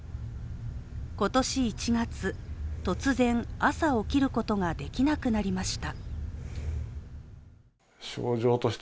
今年１月、突然、朝起きることができなくなりました。